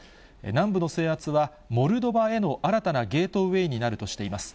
南部の制圧はモルドバへの新たなゲートウエーになるとしています。